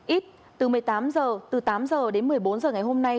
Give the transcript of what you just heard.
ít từ một mươi tám h từ tám h đến một mươi bốn h ngày hôm nay